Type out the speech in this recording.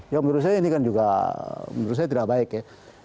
ya menurut saya ini kan juga menurut saya tidak baik ya